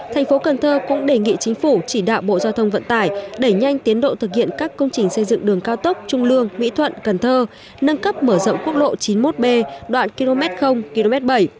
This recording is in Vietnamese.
thành phố cần thơ cũng đề nghị chính phủ chỉ đạo bộ giao thông vận tải đẩy nhanh tiến độ thực hiện các công trình xây dựng đường cao tốc trung lương mỹ thuận cần thơ nâng cấp mở rộng quốc lộ chín mươi một b đoạn km bảy